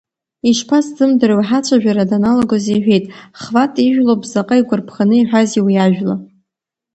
Ишԥасзымдыруеи, ҳацәажәара даналагоз иҳәеит, Хват ижәлоуп, заҟа игәарԥханы иҳәазеи уи ажәла.